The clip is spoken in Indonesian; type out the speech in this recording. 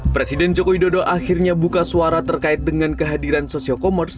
presiden jokowi dodo akhirnya buka suara terkait dengan kehadiran sosio komers